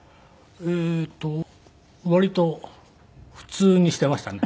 えーっと割と普通にしていましたね。